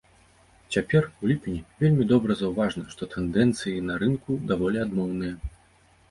Цяпер, у ліпені, вельмі добра заўважна, што тэндэнцыі на рынку даволі адмоўныя.